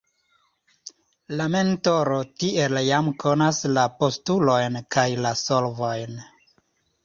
La mentoro tiel jam konas la postulojn kaj la solvojn.